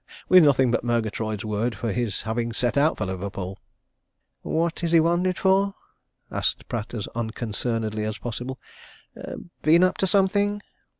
We've nothing but Murgatroyd's word for his having set out for Liverpool." "What's he wanted for?" asked Pratt as unconcernedly as possible. "Been up to something?"